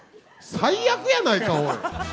最悪やないか、おい！